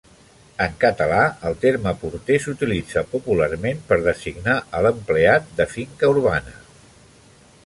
En català, el terme porter s'utilitza popularment per designar a l'empleat de finca urbana.